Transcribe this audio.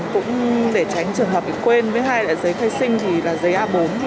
cũng để tránh trường hợp quên với hai loại giấy thay sinh thì là giấy a bốn